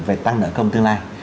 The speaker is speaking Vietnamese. về tăng nợ công tương lai